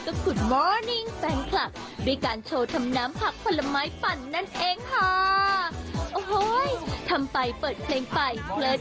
ก็คุณภาคทางอาหารท้องพรีเขียบ